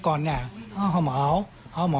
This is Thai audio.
ก็ปล่อยเขามาตาม